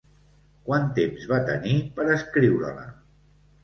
Quant temps va tenir per escriure-la?